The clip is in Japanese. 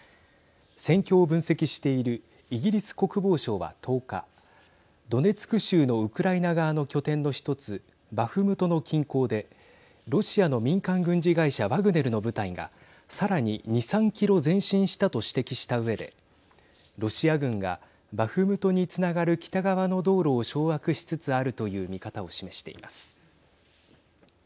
戦況を分析しているイギリス国防省は１０日ドネツク州のウクライナ側の拠点の１つ、バフムトの近郊でロシアの民間軍事会社ワグネルの部隊がさらに２、３キロ前進したと指摘したうえでロシア軍がバフムトにつながる北側の道路を掌握しつつあるという見方を示しています。